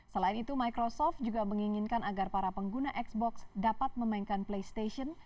selain itu microsoft juga menginginkan agar para pengguna xbox dapat memainkan playstation